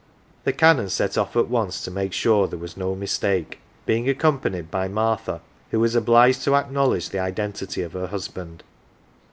The Canon set oft* at once to make sure there was no mistake, being accompanied by Martha, who was obliged to acknowledge the identity of her husband.